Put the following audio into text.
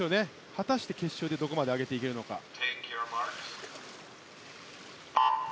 果たして決勝でどこまで上げていけるかどうか。